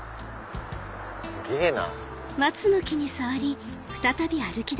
すげぇな。